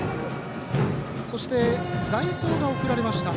そして代走が送られました。